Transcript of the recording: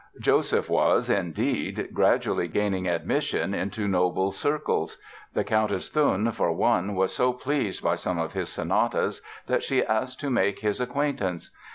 Joseph was, indeed, gradually gaining admission into noble circles. The Countess Thun, for one, was so pleased by some of his sonatas that she asked to make his acquaintance.